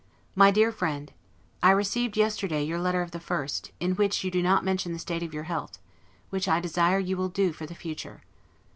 MY DEAR FRIEND: I received, yesterday, your letter of the 1st; in which you do not mention the state of your health, which I desire you will do for the future.